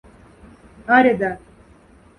Аряда.